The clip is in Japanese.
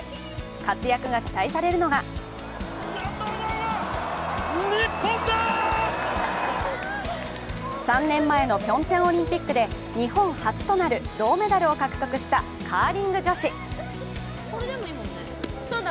活躍が期待されるのが３年前のピョンチャンオリンピックで日本初となる銅メダルを獲得したカーリング女子。